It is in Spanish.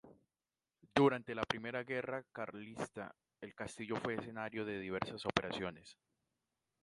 Durante la primera guerra carlista, el castillo fue escenario de diversas operaciones.